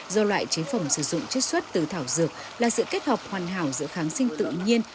do loại chế phẩm sử dụng chất xuất từ thảo dược là sự kết hợp hoàn hảo giữa kháng sinh tự nhiên